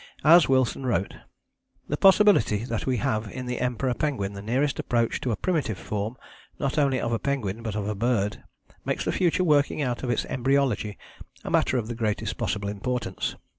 As Wilson wrote: "The possibility that we have in the Emperor penguin the nearest approach to a primitive form not only of a penguin but of a bird makes the future working out of its embryology a matter of the greatest possible importance.